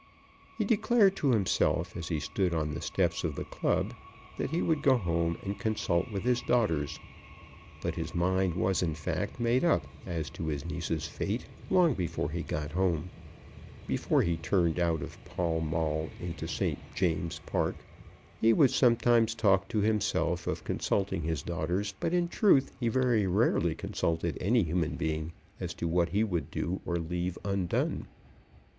He declared to himself as he stood on the steps of the club that he would go home and consult his daughters; but his mind was in fact made up as to his niece's fate long before he got home, before he turned out of Pall Mall into St. James's Park. He would sometimes talk to himself of consulting his daughters; but in truth he very rarely consulted any human being as to what he would do or leave undone.